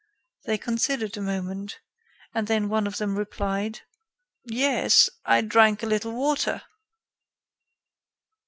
They considered a moment, and then one of them replied: "Yes, I drank a little water."